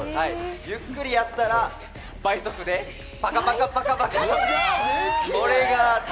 ゆっくりやったら倍速でパカパカパカ。